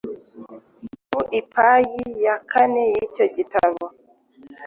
Ku ipaji ya kane y’icyo gitabo,